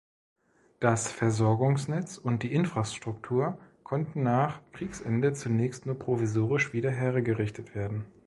Das Versorgungsnetz und die Infrastruktur konnten nach Kriegsende zunächst nur provisorisch wieder hergerichtet werden.